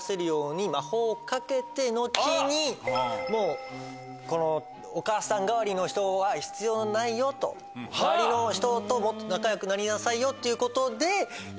後にもうお母さん代わりの人は必要ないよと周りの人ともっと仲良くなりなさいよっていうことで。